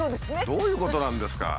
どういうことなんですか？